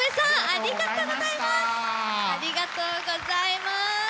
ありがとうございます。